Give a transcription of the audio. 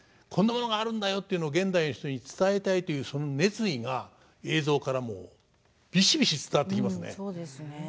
こんなものがあるんだよ」っていうのを現代の人に伝えたいというその熱意が映像からもビシビシ伝わってきますね。